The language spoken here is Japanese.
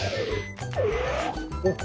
おっ！